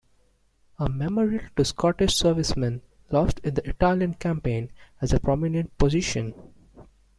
A memorial to Scottish servicemen lost in the Italian campaign has a prominent position.